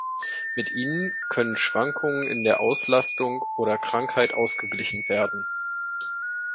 Mit ihnen können Schwankungen in der Auslastung oder Krankheit ausgeglichen werden.